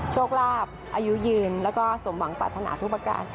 โชคลาภอายุยืนแล้วก็สมหวังปรารถนาทุกประการ